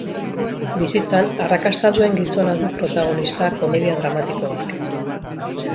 Bizitzan arrakasta duen gizona du protagonista komedia dramatiko honek.